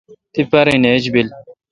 تی پارن ایج بل۔